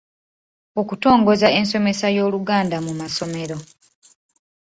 Okutongoza ensomesa y’Oluganda mu masomero